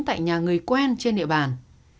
tại nhà người quen trên địa bàn